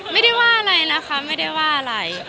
ไม่ได้ว่าอะไรนะคะไม่ได้ว่าอะไร